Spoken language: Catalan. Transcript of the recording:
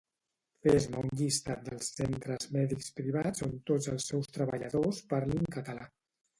Fes-me un llistat dels Centres Mèdics Privats on tots els seus treballadors parlin català